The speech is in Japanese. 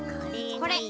これ！